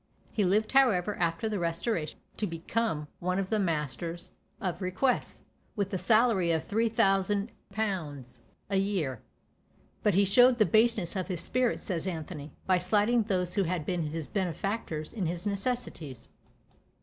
He lived however after the Restoration to become one of the masters of requests, with a salary of 3000_l._ a year. But he showed the baseness of his spirit, says Anthony, by slighting those who had been his benefactors in his necessities.